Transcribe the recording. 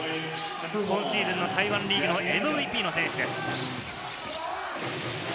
今シーズンの台湾リーグのＭＶＰの選手です。